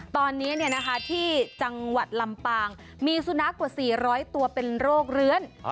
ตอนนี้ที่จังหวัดลำปางมีสุนัขกว่า๔๐๐ตัวเป็นโรคเลื้อน